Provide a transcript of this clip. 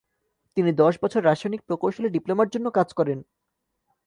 তিনি দশ বছর রাসায়নিক প্রকৌশলে ডিপ্লোমার জন্য কাজ করেন।